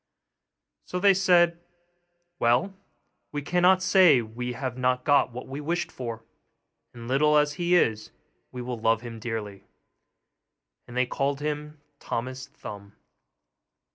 So they said, 'Well, we cannot say we have not got what we wished for, and, little as he is, we will love him dearly.' And they called him Thomas Thumb.